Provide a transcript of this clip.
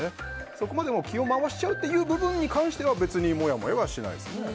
そこまで気を回しちゃう部分に関しては別に、もやもやはしないですね。